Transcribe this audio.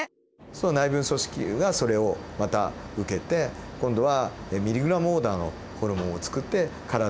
その内分泌組織がそれをまた受けて今度はミリグラムオーダーのホルモンをつくって体中にばらまくと。